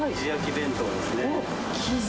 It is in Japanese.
弁当ですね。